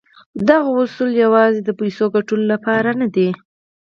دغه اصول يوازې د پيسو ګټلو لپاره نه دي.